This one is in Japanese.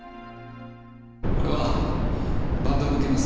俺はバンドを抜けます。